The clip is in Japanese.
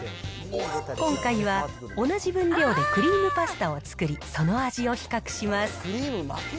今回は、同じ分量でクリームパスタを作り、その味を比較します。